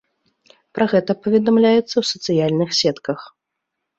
Пра гэта паведамляецца ў сацыяльных сетках.